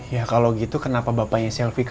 ya kalau gitu kenapa bapaknya selvi kabur